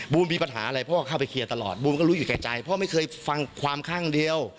มีปัญหาอะไรพ่อเข้าไปเคลียร์ตลอดบูมก็รู้อยู่แก่ใจพ่อไม่เคยฟังความข้างเดียว